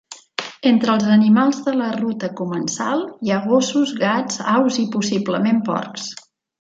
Entre els animals de la ruta comensal hi ha gossos, gats, aus i possiblement porcs.